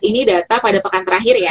ini data pada pekan terakhir ya